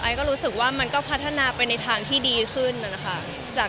ก็รู้สึกว่ามันก็พัฒนาไปในทางที่ดีขึ้นนะคะ